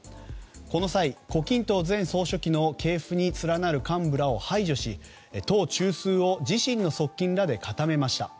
この際、胡錦涛前総書記の経歴に連なる幹部を排除し党中枢を自身の側近らで固めました。